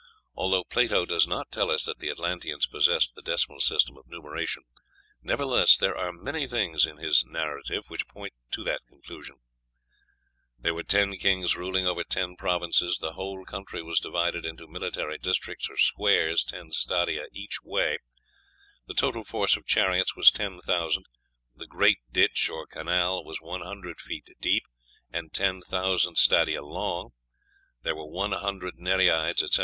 Although Plato does not tell us that the Atlanteans possessed the decimal system of numeration, nevertheless there are many things in his narrative which point to that conclusion "There were ten kings ruling over ten provinces; the whole country was divided into military districts or squares ten stadia each way; the total force of chariots was ten thousand; the great ditch or canal was one hundred feet deep and ten thousand stadia long; there were one hundred Nereids," etc.